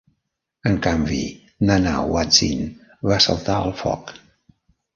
En canvi, Nanahuatzin va saltar al foc.